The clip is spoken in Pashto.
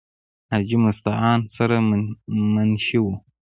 حاجې مستعان سره منشي وو ۔